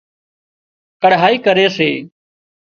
ڪڙهائي ڪري سي